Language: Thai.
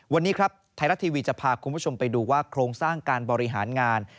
วันนี้ครับไทยรัฐทีวีจะพาคุณผู้ชมไปดูว่าโครงสร้างการบริหารงาน